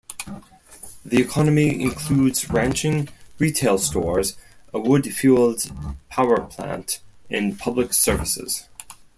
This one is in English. The economy includes ranching, retail stores, a wood-fueled power plant, and public services.